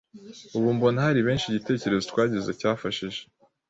ubu mbona hari benshi igitekerezo twagize cyafashije